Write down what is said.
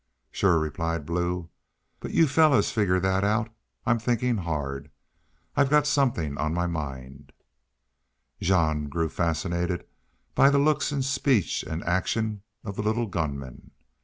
"Shore," replied Blue. "But y'u fellars figger thet out. I'm thinkin' hard. I've got somethin' on my mind." Jean grew fascinated by the looks and speech and action of the little gunman.